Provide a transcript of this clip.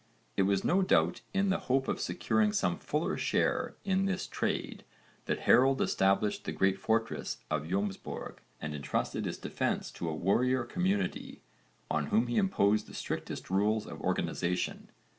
It was no doubt in the hope of securing some fuller share in this trade that Harold established the great fortress of Jómsborg and entrusted its defence to a warrior community on whom he imposed the strictest rules of organisation.